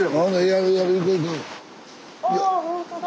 あほんとだ。